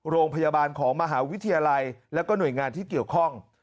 โรงพยาบาลของมหาวิทยาลัยแล้วก็หน่วยงานที่เกี่ยวข้อง